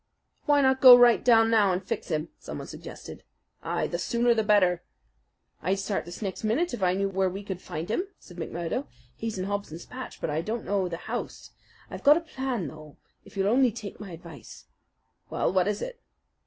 "Why not go right down now and fix him?" someone suggested. "Ay, the sooner the better." "I'd start this next minute if I knew where we could find him," said McMurdo. "He's in Hobson's Patch; but I don't know the house. I've got a plan, though, if you'll only take my advice." "Well, what is it?"